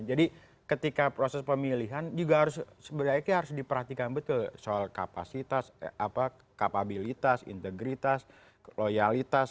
jadi ketika proses pemilihan juga harus sebenarnya harus diperhatikan betul soal kapasitas kapabilitas integritas loyalitas